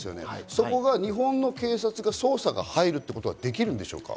そこが日本の警察が捜査が入るということはできるんでしょうか？